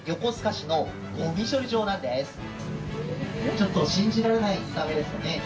ちょっと信じられない見た目ですよね。